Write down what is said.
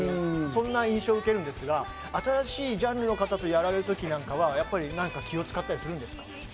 そんな印象を受けるんですが、新しいジャンルの方とやられた時なんかは気を使ったりするんですか？